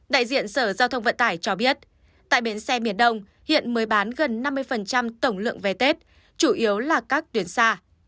đại diện sở giao thông vận tải cho biết tại bến xe miền đông hiện mới bán gần năm mươi tổng lượng vé tết chủ yếu là các tuyến xa